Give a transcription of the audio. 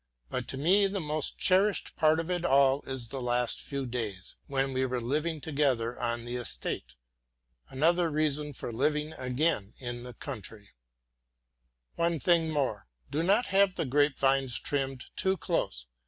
But to me the most cherished period of all is the last few days, when we were living together on the estate. Another reason for living again in the country. One thing more. Do not have the grapevines trimmed too close.